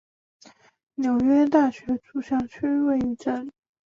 纽约大学主校区位于这里。